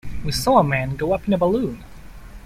We saw a man go up in a balloon.